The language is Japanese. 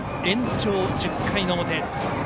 延長１０回の表。